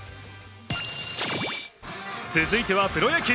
続いてはプロ野球。